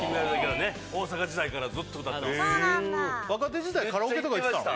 若手時代カラオケとか行ってたの？